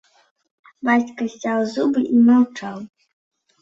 Бацька сцяў зубы і маўчаў.